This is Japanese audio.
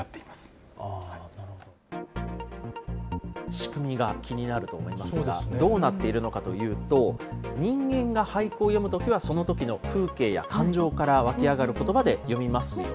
仕組みが気になると思いますが、どうなっているのかというと、人間が俳句を詠むときは、そのときの風景や感情から湧き上がることばで詠みますよね。